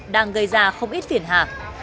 đang gây ra không ít phiền hạ